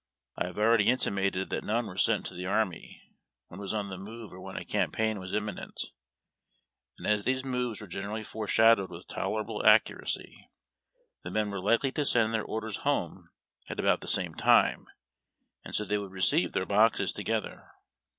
I have already intimated that none were sent to tlie army when it was on the move or when a campaign was imminent; and as these moves were generally foreshadowed with tolerable accuracy, the men were likely to send tlieir orders home at about the same time, and so they would receive their boxes together.